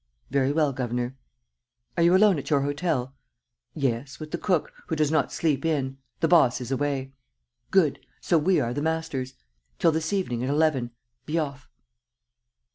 "Very well, governor." "Are you alone at your hotel?" "Yes, with the cook, who does not sleep in. The boss is away." "Good. So we are the masters. Till this evening, at eleven. Be off."